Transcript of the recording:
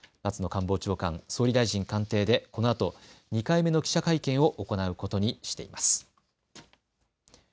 官房長官、総理大臣官邸でこのあと２回目の記者会見を行うことにしています。